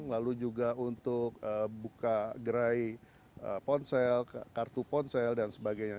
lalu juga untuk buka gerai ponsel kartu ponsel dan sebagainya